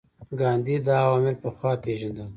ګاندي دا عوامل پخوا پېژندل.